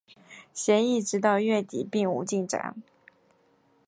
协议直到月底并无进展。